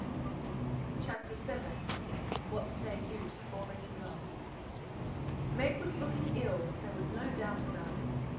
CHAPTER VII "What Say You to Falling in Love?" Meg was looking ill, there was no doubt about it.